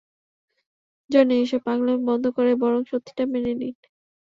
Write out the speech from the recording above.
Johnny, এসব পাগলামি বন্ধ করে বরং সত্যিটা মেনে নিন।